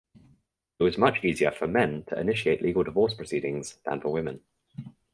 It was much easier for men to initiate legal divorce proceedings than for women.